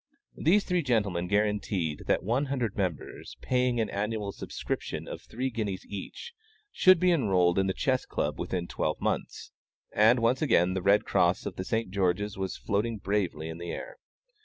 These three gentlemen guaranteed that one hundred members, paying an annual subscription of three guineas each, should be enrolled in the Chess Club within twelve months; and, once again, the red cross of the St. George's was floating bravely in the air.